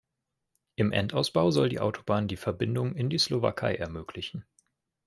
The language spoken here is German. Im Endausbau soll die Autobahn die Verbindung in die Slowakei ermöglichen.